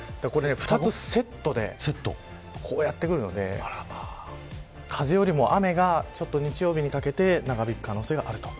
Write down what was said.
２つセットでやってくるので風よりも雨が日曜日にかけて長引く可能性があります。